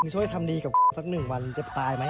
ช่วยทำดีกับปื๊บเพียงศิษย์หนึ่งวันังใจจะตายไหม